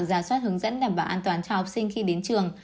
giả soát hướng dẫn đảm bảo an toàn cho học sinh khi đến trường